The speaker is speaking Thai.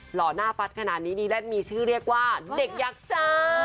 หล่อหน้าฟัดขนาดมีชื่อเรียกว่าเด็กยักจะ